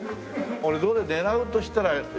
俺どれ狙うとしたら。